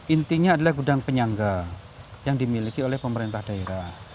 intinya adalah gudang penyangga yang dimiliki oleh pemerintah daerah